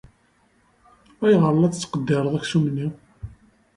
Ayɣer ay la tettqeddireḍ aksum-nni?